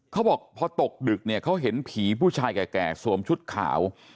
เขาบอกพอตกดึกเนี่ยเขาเห็นผีผู้ชายแก่สวมชุดขาว